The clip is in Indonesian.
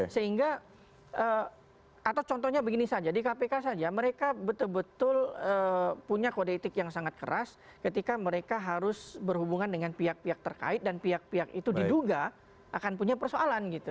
sehingga atau contohnya begini saja di kpk saja mereka betul betul punya kode etik yang sangat keras ketika mereka harus berhubungan dengan pihak pihak terkait dan pihak pihak itu diduga akan punya persoalan gitu